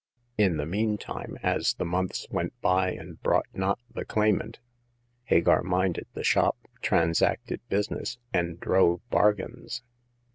In the mean time, as the months went by and brought not the claimant, Hagar minded the shop, transacted business, and drove bargains.